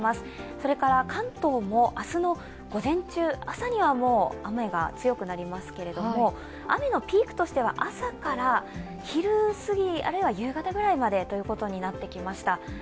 それから、関東も明日の午前中、朝には雨が強くなりますけれども雨のピークとしては朝から昼過ぎ、あるいは夕方ぐらいまでということになってきました。